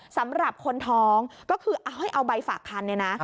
สำหรับคนท้องก็คือให้เอาใบฝากคันเนี่ยนะ